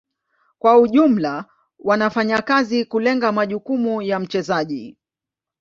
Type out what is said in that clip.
Kwa ujumla wanafanya kazi kulenga majukumu ya mchezaji.